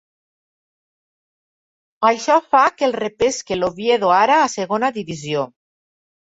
Això fa que el repesque l'Oviedo, ara a Segona Divisió.